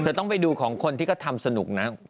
ต้องไปดูของคนที่ก็ทำสนุกนะ